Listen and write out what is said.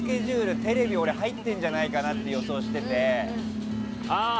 テレビ入ってるんじゃないかって俺、予想してて。